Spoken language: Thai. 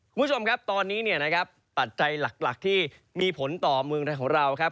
คุณผู้ชมครับตอนนี้เนี่ยนะครับปัจจัยหลักที่มีผลต่อเมืองไทยของเราครับ